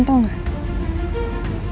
dan untuk penggal pesawat